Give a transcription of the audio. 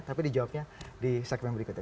tapi dijawabnya di segmen berikutnya